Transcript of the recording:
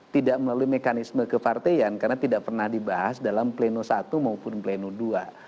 tidak melalui mekanisme keparteian karena tidak pernah dibahas dalam pleno i maupun pleno ii